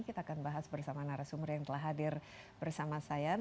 kita akan bahas bersama narasumber yang telah hadir bersama saya